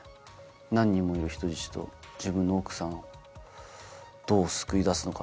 何人もいる人質と自分の奥さんをどう救い出すのか。